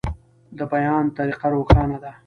د بیان طریقه روښانه ده.